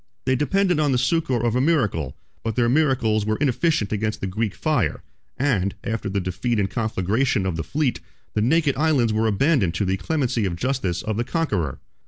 They depended on the succor of a miracle: but their miracles were inefficient against the Greek fire; and, after the defeat and conflagration of the fleet, the naked islands were abandoned to the clemency or justice of the conqueror.